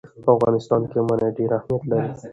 په افغانستان کې منی ډېر اهمیت لري.